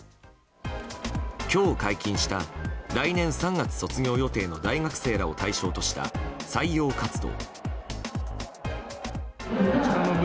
今日解禁した来年３月卒業予定の大学生らを対象とした採用活動。